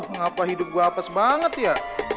mengapa hidup gue apes banget ya